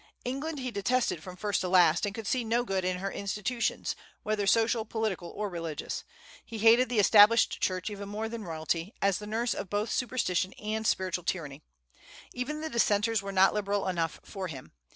England he detested from first to last, and could see no good in her institutions, whether social, political, or religious. He hated the Established Church even more than royalty, as the nurse of both superstition and spiritual tyranny. Even the Dissenters were not liberal enough for him.